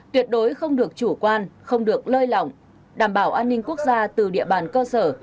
tuyệt đối không được chủ quan không được lơi lỏng đảm bảo an ninh quốc gia từ địa bàn cơ sở